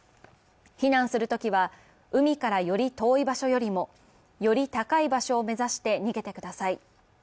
避難するときは、海からより遠い場所よりもより高い場所を目指して逃げてください。